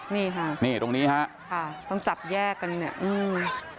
นี่ค่ะนี่ตรงนี้ฮะค่ะต้องจับแยกกันเนี่ยอืม